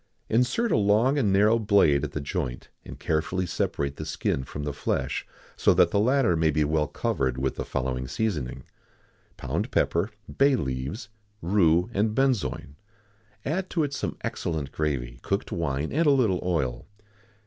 _ Insert a long and narrow blade at the joint, and carefully separate the skin from the flesh, so that the latter may be well covered with the following seasoning: pound pepper, bay leaves, rue, and benzoin; add to it some excellent gravy, cooked wine, and a little oil.